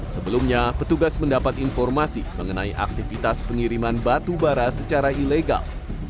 sebelumnya petugas mendapat informasi mengenai aktivitas pengiriman batu bara secara ilegal